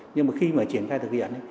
nhưng mà khi mà triển khai thực hiện